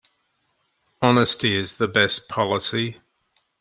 Honesty is the best policy.